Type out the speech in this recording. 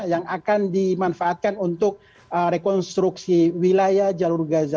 yang akan dimanfaatkan untuk rekonstruksi wilayah jalur gaza